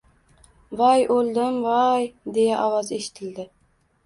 — Voy, o‘ldim, voy! — deya ovoz eshitildi.